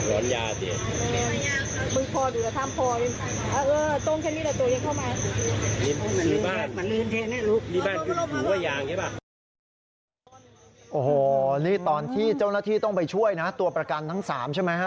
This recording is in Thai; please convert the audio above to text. โอ้โหนี่ตอนที่เจ้าหน้าที่ต้องไปช่วยนะตัวประกันทั้ง๓ใช่ไหมฮะ